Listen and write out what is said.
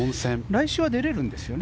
来週は出れるんですよね？